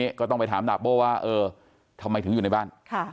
ก็ต้องไปถามดาบโบ้ว่าเออทำไมถึงอยู่ในบ้าน